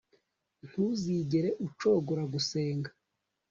ntuzigere ucogora gusenga